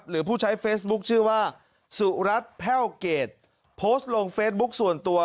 ผู้ใช้เฟซบุ๊คชื่อว่าสุรัตน์แพ่วเกรดโพสต์ลงเฟซบุ๊คส่วนตัว